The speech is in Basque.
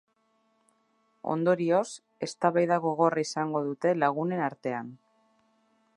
Ondorioz, eztabaida gogorra izango dute lagunen artean.